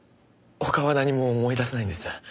他は何も思い出せないんです。